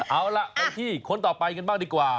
เอาล่ะไปที่คนต่อไปกันบ้างดีกว่า